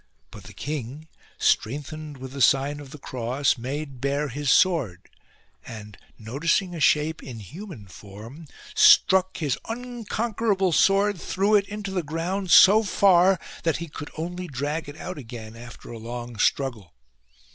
But the king, strengthened with the sign of the cross, made bare his sword ; and, noticing a shape in human form, struck his unconquerable sword through it into the ground so far, that he could only drag it out again after a long struggle.